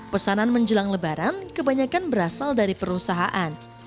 pesanan menjelang lebaran kebanyakan berasal dari perusahaan